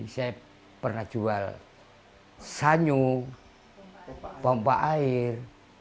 saya pernah jual sanyu pompa air